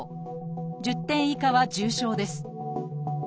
１０点以下は重症です。